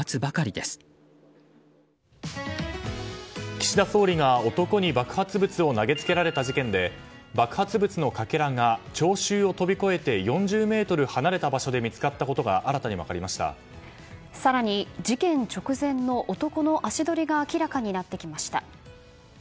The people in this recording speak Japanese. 岸田総理が男に爆発物を投げつけられた事件で爆発物のかけらが聴衆を飛び越えて４０ｍ離れた場所で見つかったことが更に事件直前の男の足取りが明らかになってきました。